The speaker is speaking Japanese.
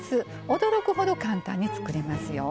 驚くほど簡単に作れますよ。